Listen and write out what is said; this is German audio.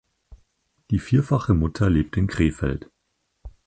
Die vierfache Mutter lebt in Krefeld.